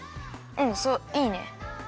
うんそういいね。